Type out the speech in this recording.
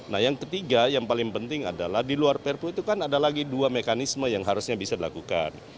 nah yang ketiga yang paling penting adalah di luar perpu itu kan ada lagi dua mekanisme yang harusnya bisa dilakukan